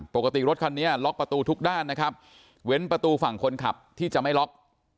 ปกติรถคันนี้ล็อกประตูทุกด้านนะครับเว้นประตูฝั่งคนขับที่จะไม่ล็อก